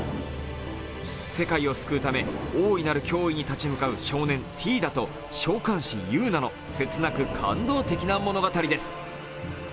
世界を救うため、大いなる脅威に立ち向かう初年ティーダと召喚士ユウナの切なく感動的な物語です。